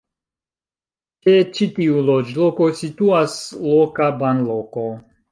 Ĉe ĉi tiu loĝloko situas loka banloko.